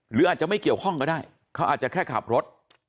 หรืออาจจะไม่เกี่ยวข้องก็ได้เขาอาจจะแค่ขับรถ